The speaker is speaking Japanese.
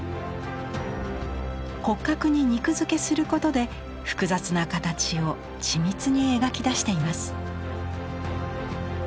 骨格に肉づけすることで複雑な形を緻密に描き出しています。